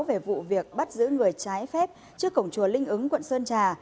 về vụ việc bắt giữ người trái phép trước cổng chùa linh ứng quận sơn trà